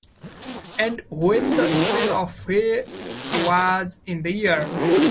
And when the smell of hay was in the air!